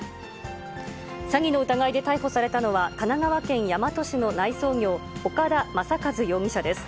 詐欺の疑いで逮捕されたのは、神奈川県大和市の内装業、岡田正一容疑者です。